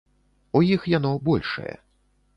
У іх яно большае.